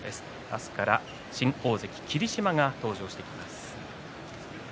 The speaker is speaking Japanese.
明日から新大関霧島が登場してきます。